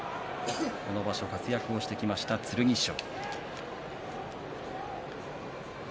この場所、活躍してきた剣翔。